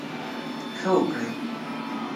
ښه وکړٸ.